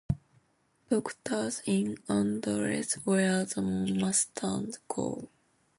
Doctors in undress wear the masters' gown.